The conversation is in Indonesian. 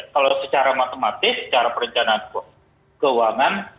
kalau secara matematis secara perencanaan keuangan